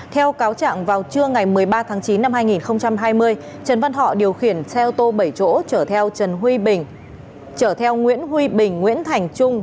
theo cáo trạng vào trưa ngày một mươi ba tháng chín năm hai nghìn hai mươi trần văn thọ điều khiển xe ô tô bảy chỗ trở theo nguyễn huy bình nguyễn thành trung